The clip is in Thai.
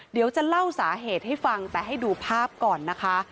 เดี๋ยวจะเล่าสาเหตุให้ฟังแต่ให้ดูภาพก่อนนะคะ